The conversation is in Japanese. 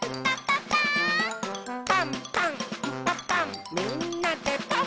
「パンパンんパパンみんなでパン！」